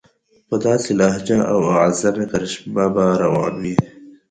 په داسې لهجه او واعظانه کرشمه به روان وي.